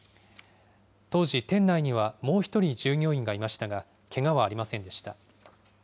当時、店内にはもう１人従業員がいましたが、けがはありませんでした。